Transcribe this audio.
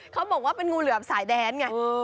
เขาบอกว่าเป็นงูเหลือมสายแดนไง